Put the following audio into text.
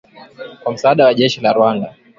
kwa msaada wa jeshi la Rwanda